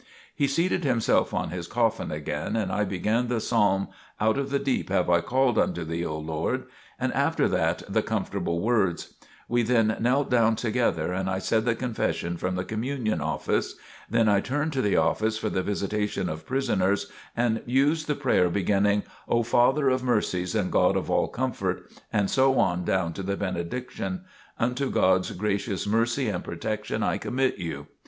He seated himself on his coffin again and I began the Psalm: "Out of the deep have I called unto Thee, O Lord," and after that the "Comfortable words." We then knelt down together, and I said the Confession from the Communion Office. Then I turned to the office for the Visitation of Prisoners, and used the prayer beginning, "O Father of Mercies and God of all Comfort," and so on down to the benediction, "Unto God's gracious mercy and protection I commit you."